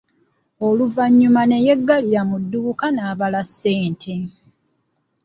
Oluvannyuma ne yeggalira mu dduuka n'abala ssente.